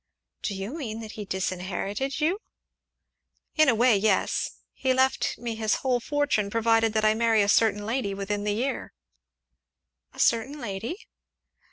"Do you mean that he disinherited you?" "In a way, yes; he left me his whole fortune provided that I married a certain lady within the year." "A certain lady?"